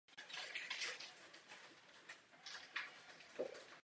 James Hunt zvládl nástrahy kvalifikace nejlépe a postavil se na pole position.